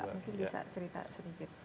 mungkin bisa cerita sedikit